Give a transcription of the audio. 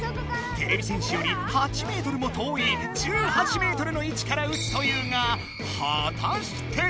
てれび戦士より８メートルも遠い１８メートルの位置からうつというがはたして！